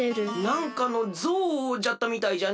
なんかのぞうじゃったみたいじゃね。